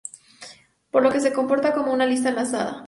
Por lo que se comporta como una lista enlazada.